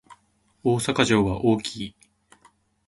大阪城は大きい